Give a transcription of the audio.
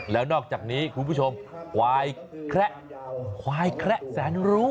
แล้วนอกจากนี้คุณผู้ชมควายแคระควายแคระแสนรู้